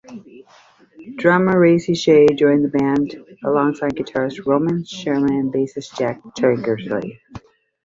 Drummer Racci Shay joined the band alongside guitarist Roman Surman and bassist Jack Tankersley.